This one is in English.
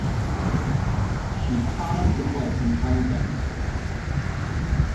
She caught up the dress and tried again.